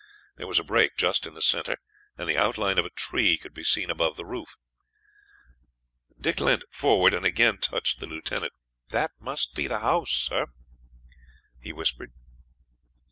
There was a break just in the center, and the outline of a tree could be seen above the roof. Dick leant forward and again touched the lieutenant. "That must be the house, sir," he whispered.